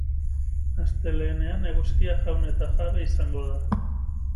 Astelehenean eguzkia jaun eta jabe izango da.